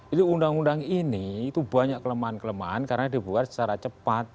itu undang undang ini itu banyak kelemahan kelemahan karena dibuat secara cepat